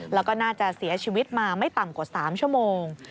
แล้วก็น่าจะเสียชีวิตมาไม่ต่ำกว่า๓ชั่วโมง